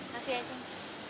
makasih ya cing